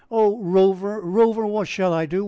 Oh, Rover, Rover, what shall I do?